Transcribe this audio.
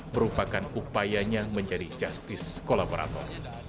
merupakan upayanya menjadi justice kolaborator